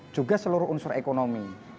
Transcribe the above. juga seluruh unsur ekonomi